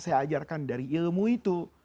saya ajarkan dari ilmu itu